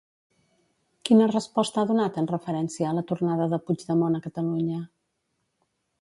Quina resposta ha donat en referència a la tornada de Puigdemont a Catalunya?